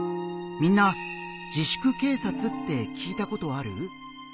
みんな「自粛警察」って聞いたことある？